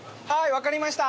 わかりました。